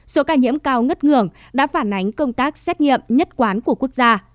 số ca nhiễm cao ngất ngường đã phản ánh công tác xét nghiệm nhất quán của quốc gia